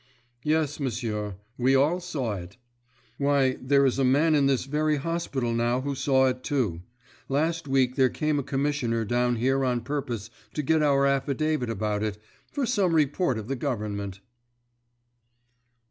"Yes, m'sieur, we all saw it. Why, there is a man in this very hospital now who saw it, too. Last week there came a commissioner down here on purpose to get our affidavit about it, for some report of the Government."